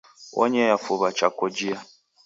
Onyea fuw'a cha kojia.